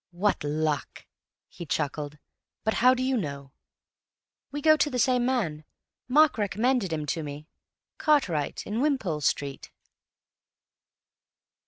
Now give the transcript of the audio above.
"What luck!" he chuckled. "But how do you know?" "We go to the same man; Mark recommended him to me. Cartwright, in Wimpole Street."